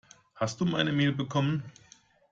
Hast du meine Mail bekommen?